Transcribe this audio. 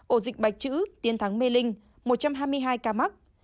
ổ dịch bạch chữ tiến thắng mê linh một trăm hai mươi hai ca mắc